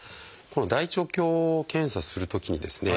この大腸鏡検査するときにですね